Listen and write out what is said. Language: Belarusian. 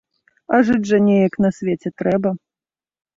А жыць жа неяк на свеце трэба.